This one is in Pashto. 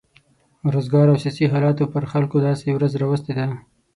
روزګار او سیاسي حالاتو پر خلکو داسې ورځ راوستې ده.